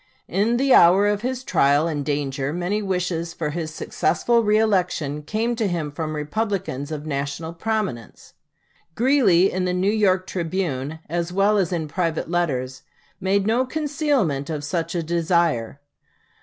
In the hour of his trial and danger many wishes for his successful reëlection came to him from Republicans of national prominence. Greeley, in the New York "Tribune" as well as in private letters, made no concealment of such a desire.